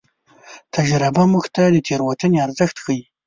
تجربه موږ ته د تېروتنې ارزښت ښيي.